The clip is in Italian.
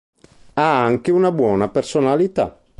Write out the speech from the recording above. Ha anche una buona personalità.